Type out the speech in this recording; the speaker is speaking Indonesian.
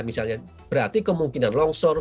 misalnya berarti kemungkinan longsor